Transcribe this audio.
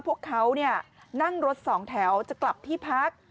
พวกเขานั่งรถสองแถวจะกลับที่พัก